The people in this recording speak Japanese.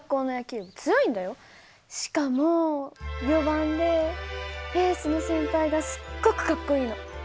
しかも４番でエースの先輩がすっごくかっこいいの！